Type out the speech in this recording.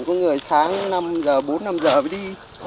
có người sáng bốn năm giờ mới đi